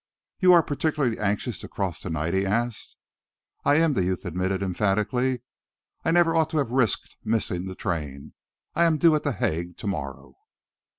"You are particularly anxious to cross to night?" he asked. "I am," the youth admitted emphatically. "I never ought to have risked missing the train. I am due at The Hague to morrow."